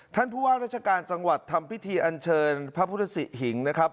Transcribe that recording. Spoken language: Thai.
ท่านผู้ว่าราชการจังหวัดทำพิธีอันเชิญพระพุทธศิหิงนะครับ